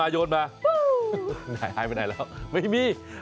โยนมาหายไปไหนแล้วไม่มี